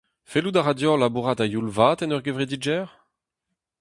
Fellout a ra deoc'h labourat a-youl vat en ur gevredigezh ?